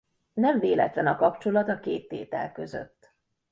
Nem véletlen a kapcsolat a két tétel között.